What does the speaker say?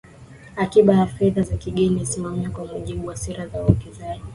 akiba ya fedha za kigeni inasimamiwa kwa mujibu wa sera za uwekezaji